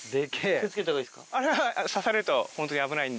気を付けた方がいいですか？